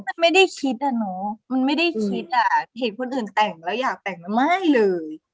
มันไม่ได้คิดอ่ะเนอะมันไม่ได้คิดอ่ะเห็นคนอื่นแต่งแล้วอยากแต่งมันไม่เลย